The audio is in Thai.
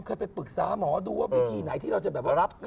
เคยไปปรึกษาหมอดูว่าวิธีไหนที่เราจะแบบว่ารับ